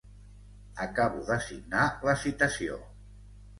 Acabo de signar la citació.